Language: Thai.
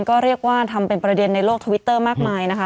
ก็เรียกว่าทำเป็นประเด็นในโลกทวิตเตอร์มากมายนะคะ